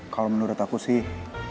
kalau menurut aku sih